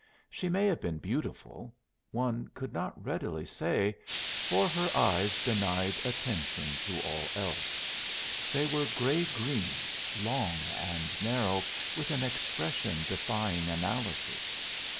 She may have been beautiful; one could not readily say, for her eyes denied attention to all else. They were gray green, long and narrow, with an expression defying analysis.